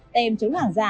tem chống hàng giả